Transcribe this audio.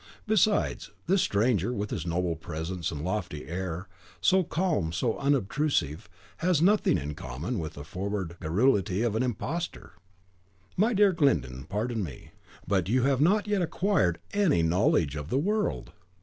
Besides, this stranger, with his noble presence and lofty air, so calm, so unobtrusive, has nothing in common with the forward garrulity of an imposter." "My dear Glyndon, pardon me; but you have not yet acquired any knowledge of the world!